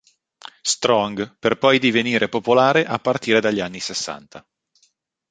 Strong, per poi divenire popolare a partire dagli anni sessanta.